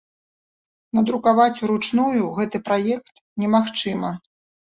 Надрукаваць уручную гэты праект немагчыма.